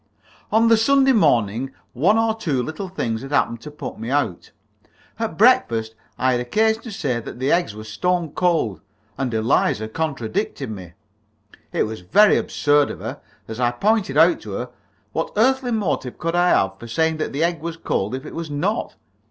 On the Sunday morning one or two little things had happened to put me out. At breakfast I had occasion to say that the eggs were stone cold, and Eliza contradicted me. It was very absurd of her. As I pointed out to her, what earthly motive could I have for saying that an egg was cold if it was not?